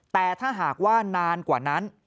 แต่ถ้าหากว่านานกว่านั้น